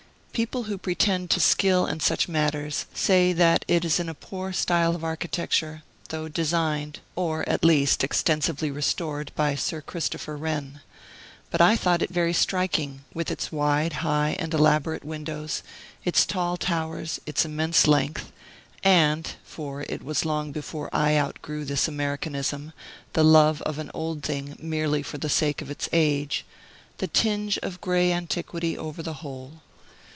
People who pretend to skill in such matters say that it is in a poor style of architecture, though designed (or, at least, extensively restored) by Sir Christopher Wren; but I thought it very striking, with its wide, high, and elaborate windows, its tall towers, its immense length, and (for it was long before I outgrew this Americanism, the love of an old thing merely for the sake of its age) the tinge of gray antiquity over the whole.